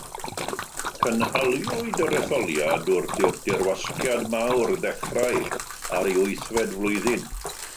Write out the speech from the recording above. Cynhaliwyd yr etholiad wrth i'r Dirwasgiad Mawr ddechrau ar ei wythfed flwyddyn.